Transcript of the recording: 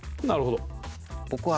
なるほど。